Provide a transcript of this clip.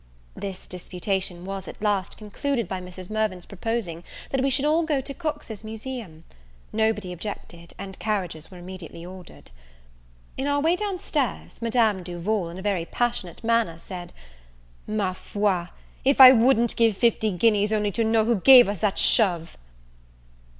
This disputation was, at last, concluded by Mrs. Mirvan's proposing that we should all go to Cox's Museum. Nobody objected, and carriages were immediately ordered. In our way down stairs, Madame Duval, in a very passionate manner, said, "Ma foi, if I wouldn't give fifty guineas only to know who gave us that shove!"